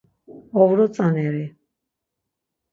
Ovro tzaneri.